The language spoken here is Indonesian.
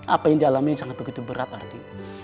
apa yang dialami sangat begitu berat ardi